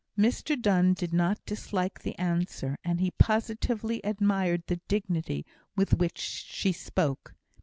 Mr Donne did not dislike the answer, and he positively admired the dignity with which she spoke.